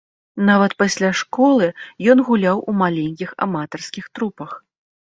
Нават пасля школы ён гуляў у маленькіх аматарскіх трупах.